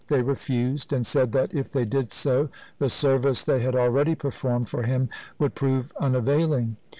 They refused, and said that, if they did so, the service they had already performed for him would prove unavailing.